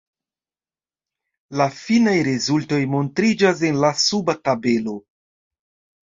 La finaj rezultoj montriĝas en la suba tabelo.